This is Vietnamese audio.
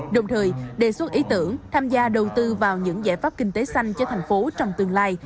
đồng thời đề xuất ý tưởng tham gia đầu tư vào những giải pháp kinh tế xanh cho thành phố trong tương lai